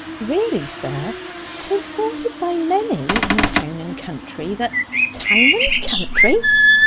"Really, sir, 'tis thoughted by many in town and country that " "Town and country!